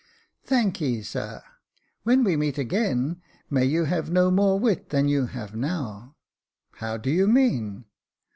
" Thanky, sir; when we meet again may you have no more wit than you have now." " How do you mean